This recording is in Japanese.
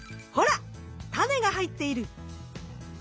タネが入っている！